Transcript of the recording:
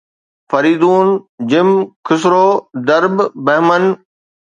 Faridoon, Jam, Khosrow, درب ، بهمن